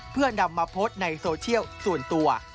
เพื่อนำมาโพสต์ในโซเชียลส่วนตัว